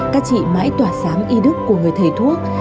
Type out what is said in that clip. các chị mãi tỏa sáng y đức của người thầy thuốc